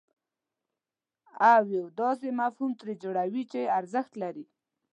او یو داسې مفهوم ترې جوړوئ چې ارزښت لري.